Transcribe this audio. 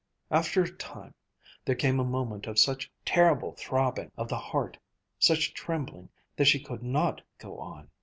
After a time, there came a moment of such terrible throbbing of the heart, such trembling, that she could not go on.